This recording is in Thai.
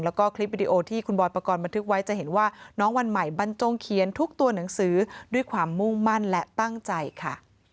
แล้วก็คลิปวิดีโอที่คุณบอยปกรณ์บันทึกไว้จะเห็นว่าน้องวันใหม่บรรจงเขียนทุกตัวหนังสือด้วยความมุ่งมั่นและตั้งใจค่ะ